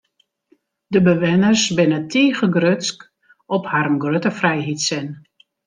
De bewenners binne tige grutsk op harren grutte frijheidssin.